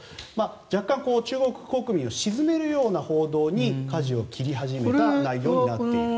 若干、中国国民を鎮めるような報道にかじを切り始めた内容になっています。